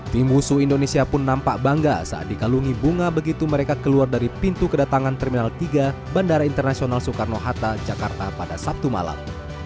tim husu indonesia pun nampak bangga saat dikalungi bunga begitu mereka keluar dari pintu kedatangan terminal tiga bandara internasional soekarno hatta jakarta pada sabtu malam